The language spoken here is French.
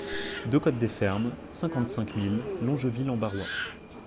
deux côte des Fermes, cinquante-cinq mille Longeville-en-Barrois